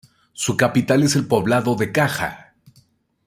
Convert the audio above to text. Su capital es el poblado de Caja.